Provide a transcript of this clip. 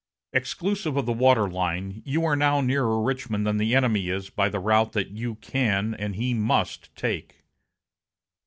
Exclusive of the water line, you are now nearer Richmond than the enemy is by the route that you can and he must take.